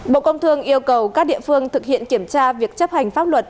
bộ công thương yêu cầu các địa phương thực hiện kiểm tra việc chấp hành pháp luật